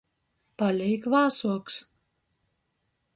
Palīk vāsuoks.